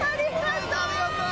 ありがとう！